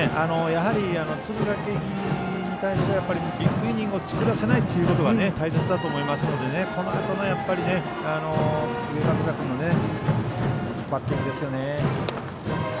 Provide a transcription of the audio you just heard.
やはり敦賀気比に対してはビッグイニングを作らせないっていうことが大切だと思いますのでこのあとの上加世田君のバッティングですよね。